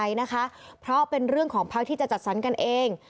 แต่อย่างใดนะคะเพราะเป็นเรื่องของภาคที่จะจัดสรรค์กันเอง